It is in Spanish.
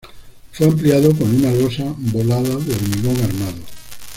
Fue ampliado con una losa volada de hormigón armado.